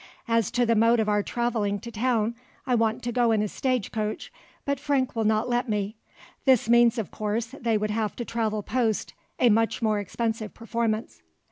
"As to the mode of our travelling to town, I want to go in a stage coach, but Frank will not let me." This means of course that they would have to travel post, a much more expensive performance.